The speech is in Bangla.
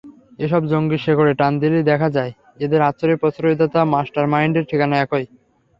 এসব জঙ্গির শেকড়ে টান দিলেই দেখা যায়, এদের আশ্রয়-প্রশ্রয়দাতা, মাস্টারমাইন্ডের ঠিকানা একই।